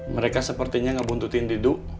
mereka sepertinya ngebuntutin didu